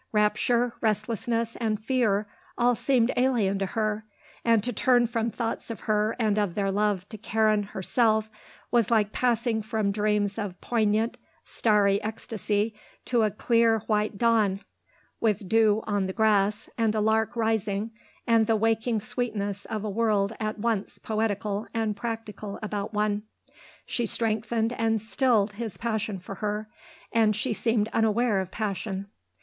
Rapture, restlessness and fear all seemed alien to her, and to turn from thoughts of her and of their love to Karen herself was like passing from dreams of poignant, starry ecstasy to a clear, white dawn, with dew on the grass and a lark rising and the waking sweetness of a world at once poetical and practical about one. She strengthened and stilled his passion for her. And she seemed unaware of passion.